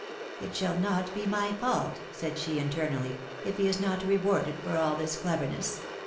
" It shall not be my fault," said she, internally, "if he is not rewarded for all this cleverness.